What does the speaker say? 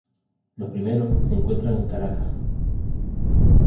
Los primeros se encuentran en Caracas.